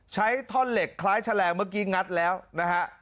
ใช้ท่อนเหล็กคล้ายแฉลงเมื่อกี้งัดแล้วนะฮะ